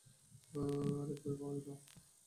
আরে, ভয় পেও না।